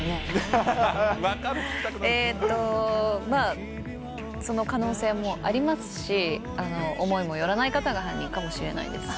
えーと、まあ、その可能性もありますし、思いもよらない方が犯人かもしれないですし。